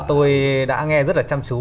tôi đã nghe rất là chăm chú